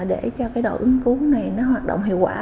để cho cái đội ứng cứu này nó hoạt động hiệu quả